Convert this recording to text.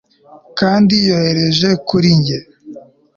kandi yohereje kuri njye